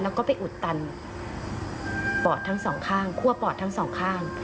แล้วก็ไปอุดตันปอดทั้งสองข้างคั่วปอดทั้งสองข้าง